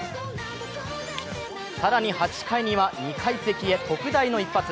更に、８回には２階席へ特大の一発。